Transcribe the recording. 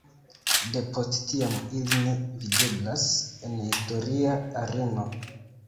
De post tiam ili ne videblas en historia areno.